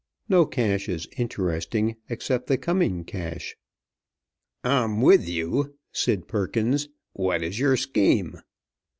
No cash is interesting except the coming cash." "I'm with you," said Perkins; "what is your scheme?"